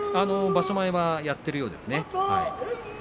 場所前はやっているようですよ。